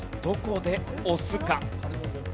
どこで押すか。